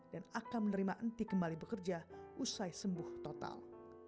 dan akan menerima entik kembali bekerja usai sembuh total